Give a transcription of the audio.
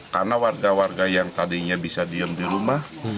karena warga warga yang tadinya bisa diam di rumah